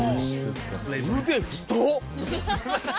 腕太っ！